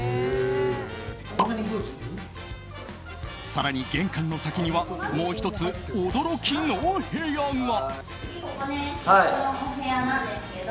更に玄関の先にはもう１つ驚きの部屋が。